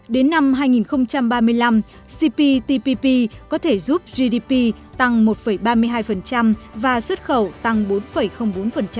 đến năm hai nghìn ba mươi năm cptpp có thể giúp gdp tăng một ba mươi hai và xuất khẩu tăng bốn bốn